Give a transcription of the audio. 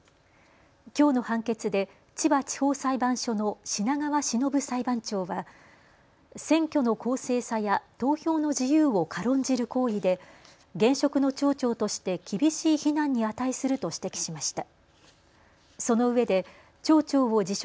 きょうの判決で千葉地方裁判所の品川しのぶ裁判長は選挙の公正さや投票の自由を軽んじる行為で現職の町長として厳しい非難に値すると指摘しました。